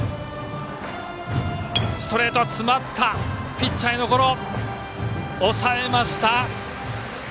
ピッチャーへのゴロ抑えました。